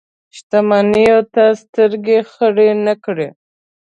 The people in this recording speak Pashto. شتمنیو ته سترګې خړې نه کړي.